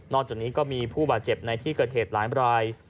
จากนี้ก็มีผู้บาดเจ็บในที่เกิดเหตุหลายราย